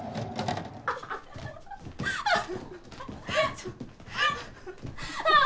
ちょっあっ！